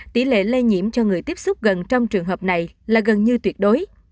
tỷ lệ lây nhiễm cho người tiếp xúc gần trong trường hợp này là gần như tuyệt đối